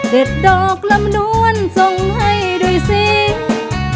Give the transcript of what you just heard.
เด็ดดอกลำนวนส่งให้ด้วยเสียง